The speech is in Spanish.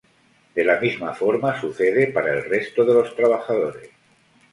De la misma forma sucede para el resto de los trabajadores.